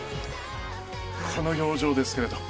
この表情でしたけども。